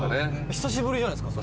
久しぶりじゃないですか？